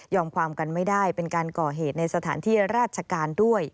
ความกันไม่ได้เป็นการก่อเหตุในสถานที่ราชการด้วย